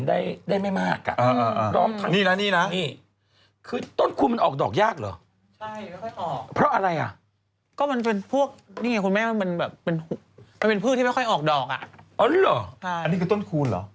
อ๋อดิบโหตรงนี้เหรอใช่อ๋อดิบนี่เหนือเรียกว่าตูน